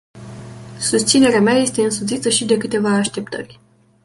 Susținerea mea este însoțită și de câteva așteptări.